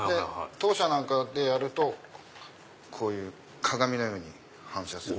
当社なんかでやるとこういう鏡のように反射する。